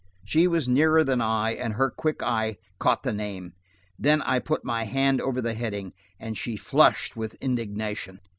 She was nearer than I, and her quick eye caught the name. Then I put my hand over the heading and she flushed with indignation.